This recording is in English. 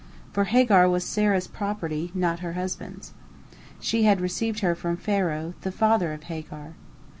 For Hagar was Sarah's property, not her husband's. She had received her from Pharaoh, the father of Hagar.